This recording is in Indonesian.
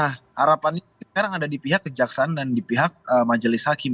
nah harapannya sekarang ada di pihak kejaksaan dan di pihak majelis hakim